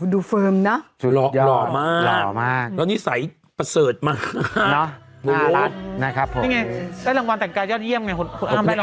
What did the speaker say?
อ๋อดูเฟิร์มเนอะสุดยอดหล่อมากแล้วนิสัยประเสริฐมากนี่ไงได้รางวัลแต่งกายยอดเยี่ยมไงคุณแอ้อ้ำได้รางวัล